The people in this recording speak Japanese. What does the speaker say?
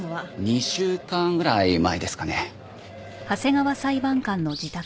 ２週間ぐらい前ですかね。